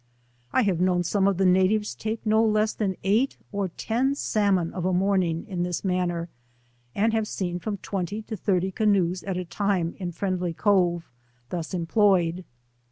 I have known some of the natives take no less than eight or ten salmoa of a morning, in this manner, and 83 have seen from twenty to thirty canoes at a time ia Friendly Cove thus employed.